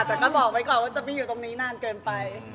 แต่ก็บอกไว้ก่อนว่าจะไม่อยู่ตรงนี้นานเกินไป